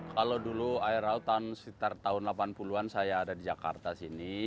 kalau dulu air laut sekitar tahun delapan puluh an saya ada di jakarta sini